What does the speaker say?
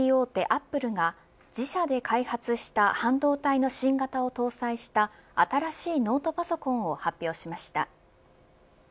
アップルが自社で開発した半導体の新型を搭載した新しいノートパソコンを発表しました。